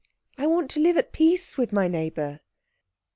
I want to live at peace with my neighbour."